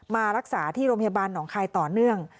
มารักษาที่โรงพยาบาลหนองคายต่อเนื่อง